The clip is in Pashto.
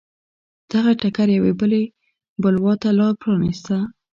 دغه ټکر یوې بلې بلوا ته لار پرانېسته.